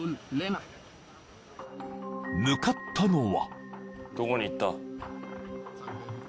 ［向かったのは］